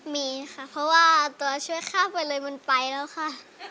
มีค่ะเพราะว่าตัวช่วยข้ามไปเลยมันไปแล้วค่ะ